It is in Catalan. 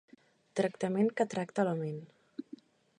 Tractament que tracta la ment.